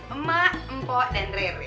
emak empok dan rere